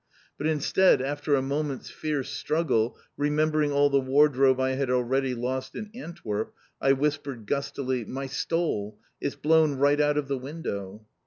But instead, after a moment's fierce struggle, remembering all the wardrobe I had already lost in Antwerp, I whispered gustily, "My stole! It's blown right out of the window."